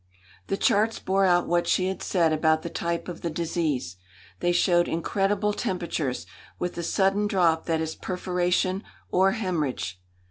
The charts bore out what she had said about the type of the disease. They showed incredible temperatures, with the sudden drop that is perforation or hemorrhage.